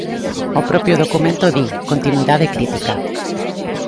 O propio documento di: continuidade crítica.